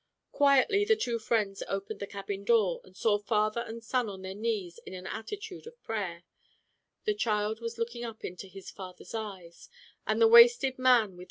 Quietly the two friends opened the cabin door and saw father and son on their knees in an attitude of prayer. The child was looking up into his father's eyes, and the wasted man with Digitized by Google CLEMENT SCOTT.